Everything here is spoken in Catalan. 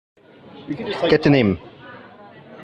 Què tenim?